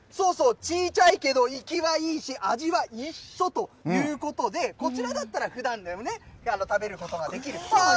ちいちゃいけどいきはいいし、味は一緒ということで、こちらだったらふだんでもね、食べることができると。